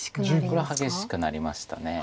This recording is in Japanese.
これは激しくなりました。